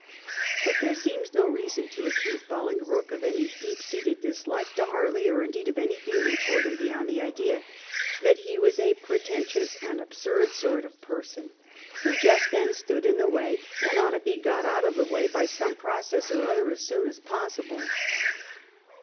But there seems no reason to accuse Bolingbroke of any deep seated dislike to Harley, or indeed of any feeling towards him beyond the idea that he was a pretentious and absurd sort of person 1712 13 NOT A GOOD HATEK. 77 who just then stood in the way and ought to be got out of the way by some process or other as soon as possible.